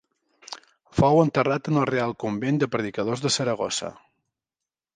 Fou enterrat en el Real Convent de Predicadors de Saragossa.